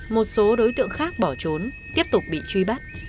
một số đối tượng khác bỏ trốn tiếp tục bị truy bắt